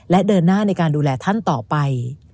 และเดินหน้าในการดูแลท่านต่อไป